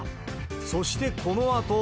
そしてこのあと。